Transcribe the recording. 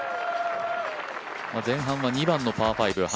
前半は２番のパー５。